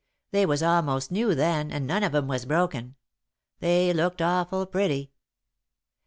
They was almost new then and none of 'em was broken. They looked awful pretty.